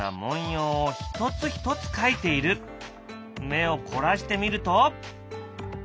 目を凝らしてみると。